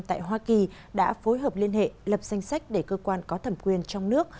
tại hoa kỳ đã phối hợp liên hệ lập danh sách để cơ quan có thẩm quyền trong nước